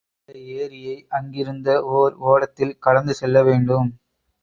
அந்த ஏரியை அங்கிருந்த ஓர் ஓடத்தில் கடந்து செல்ல வேண்டும்.